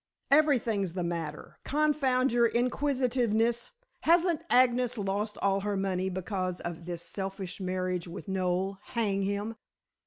"Everything's the matter, confound your inquisitiveness. Hasn't Agnes lost all her money because of this selfish marriage with Noel, hang him?